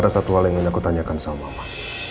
ada satu hal yang ingin aku tanyakan sama bapak